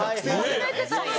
決めてたんや。